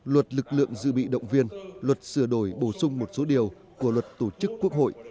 luật lực lượng dự bị động viên luật sửa đổi bổ sung một số điều của luật tổ chức quốc hội